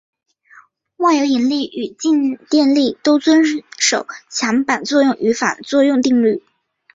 万有引力与静电力都遵守强版作用与反作用定律。